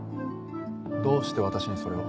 どうして私にそれを？